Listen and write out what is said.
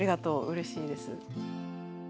うれしいです。